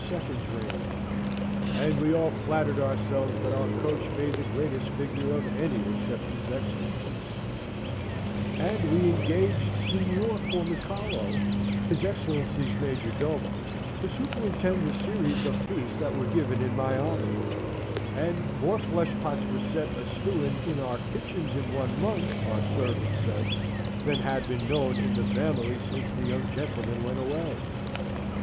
's reign, and we all flattered ourselves that our coach made the greatest figure of any except his Excellency's, and we engaged Signor Formicalo, his Excellency's major domo, to superintend the series of feasts that were given in my honour; and more fleshpots were set a stewing in our kitchens in one month, our servants said, than had been known in the family since the young gentlemen went away.